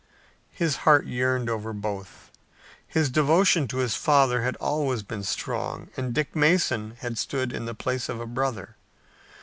His heart yearned over both. His devotion to his father had always been strong and Dick Mason had stood in the place of a brother.